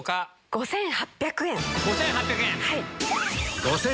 ５８００円。